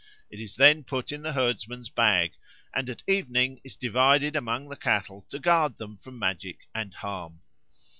It is then put in the herdsman's bag, and at evening is divided among the cattle to guard them from magic and harm.